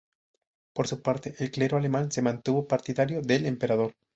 Por su parte, el clero alemán se mantuvo partidario del Emperador.